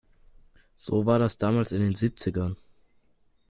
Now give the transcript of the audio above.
So war das damals in den Siebzigern.